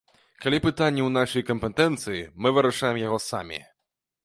Калі пытанне ў нашай кампетэнцыі, мы вырашаем яго самі.